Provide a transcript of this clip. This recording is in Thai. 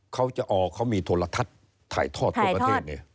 เขาจะออกเขามีโทรทัศน์ถ่ายทอดทั่วประเทศไง